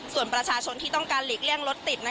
ส่วนประชาชนที่ต้องการหลีกเลี่ยงรถติด